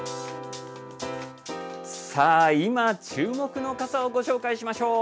さあ、今注目の傘をご紹介しましょう。